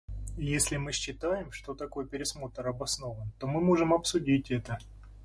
Если мы считаем, что такой пересмотр обоснован, то мы можем обсудить это.